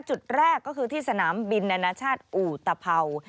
จุดแรกก็คือที่สนามบินนานาชาติอูตเภา